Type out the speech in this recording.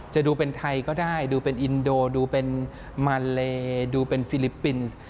จะดูเป็นไทยก็ได้ดูเป็นอินโดดูเป็นมาเลดูเป็นฟิลิปปินส์